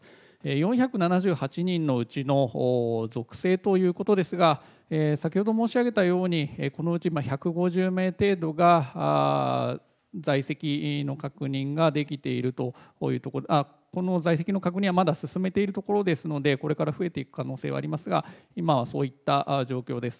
４７８人のうちの属性ということですが、先ほど申し上げたように、このうち１５０名程度が、在籍の確認ができているというとこで、この在籍の確認はまだ進めているところですので、これから増えていく可能性はありますが、今はそういった状況です。